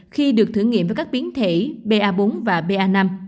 khi được thử nghiệm với các biến thể ba bốn và ba năm